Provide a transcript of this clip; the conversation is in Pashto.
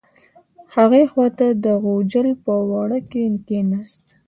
هغې خوا د غوجل په وره کې کیناست.